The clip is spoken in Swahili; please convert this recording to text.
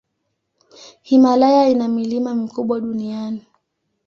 Himalaya ina milima mikubwa duniani.